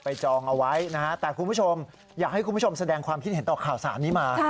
จองเอาไว้นะฮะแต่คุณผู้ชมอยากให้คุณผู้ชมแสดงความคิดเห็นต่อข่าวสารนี้มา